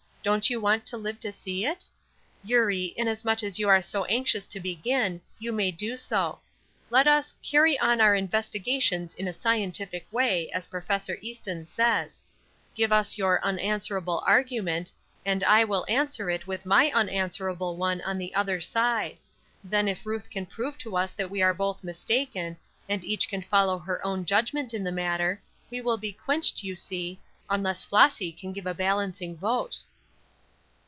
Don't you want to live to see it? Eurie, inasmuch as you are so anxious to begin, you may do so. Let us 'carry on our investigations in a scientific way,' as Prof. Easton says. Give us your 'unanswerable argument,' and I will answer it with my unanswerable one on the other side; then if Ruth can prove to us that we are both mistaken, and each can follow her own judgment in the matter, we will be quenched, you see, unless Flossy can give a balancing vote."